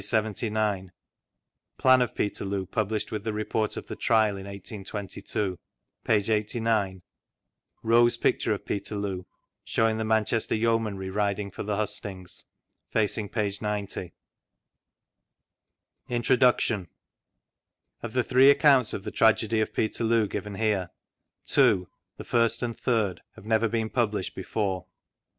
79 Plan of Peterloo published with the Report of the Trial in iSai 89 Wroe's Picture of Peterloo, showing the Man chester Yeomanry riding for the Hustings Facing 90 ■V Google Introduction. OF the three accounts of the Tragedy <tf Peterloo given here, two (the first and third) have never been published before.